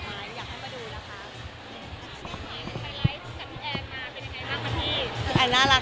สวัสดีครับ